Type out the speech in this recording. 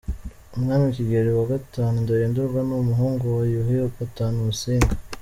Umwami Kigeli wa V Ndahindurwa ni umuhungu wa Yuhi V Musinga.